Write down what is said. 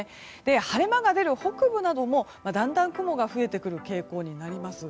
晴れ間が出る北部などもだんだん雲が増えてくる傾向になります。